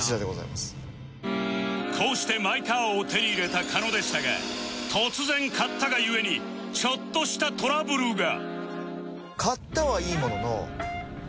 こうしてマイカーを手に入れた狩野でしたが突然買ったが故にちょっとしたトラブルが